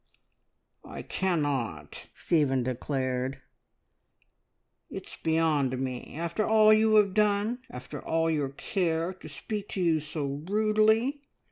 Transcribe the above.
"I cannot," Stephen declared. "It's beyond me. After all you have done after all your care, to speak to you so rudely!